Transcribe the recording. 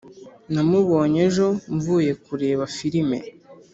namubonye ejo mvuye kureba firime.